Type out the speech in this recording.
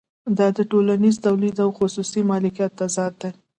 دا د ټولنیز تولید او خصوصي مالکیت تضاد دی